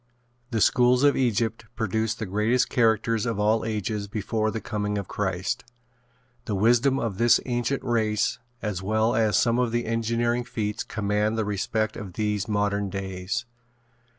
The schools of Egypt produced the greatest characters of all ages before the coming of Christ. The wisdom of this ancient race as well as some of the engineering feats command the respect of these modern days.